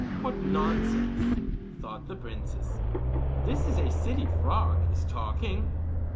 'What nonsense,' thought the princess, 'this silly frog is talking!